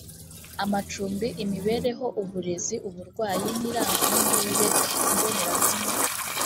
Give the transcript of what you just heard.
amacumbi imibereho uburezi uburwayi n irangamimerere imbonerahamwe